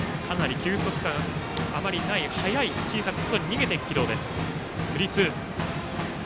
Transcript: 球速差があまりない小さく外に逃げていく軌道です。